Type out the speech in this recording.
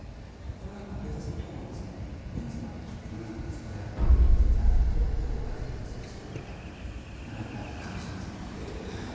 これは、警察のほうもメンツもあるでしょうから、そこはやってくということになると、どこかで強制送還・逮捕といっていうことですね。